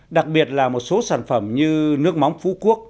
đặc biệt là một số sản phẩm như nước móng phú quốc